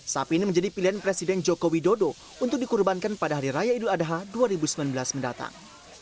sapi ini menjadi pilihan presiden joko widodo untuk dikurbankan pada hari raya idul adha dua ribu sembilan belas mendatang